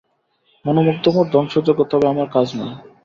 মনোমুগ্ধকর ধ্বংসযজ্ঞ, তবে আমার কাজ নয়।